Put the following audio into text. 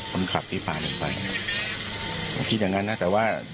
มันขับที่ผ่านนะครับถึงคิดอย่างงั้นนะ